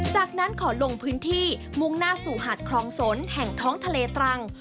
จากนั้นขอลงพื้นที่มุ่งหน้าสู่หาดคลองสนแห่งท้องทะเลตรัง